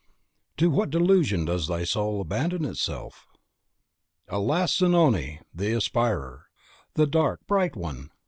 (To what delusion does thy soul abandon itself?) Alas, Zanoni! the aspirer, the dark, bright one!